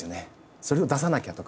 それを出さなきゃとか。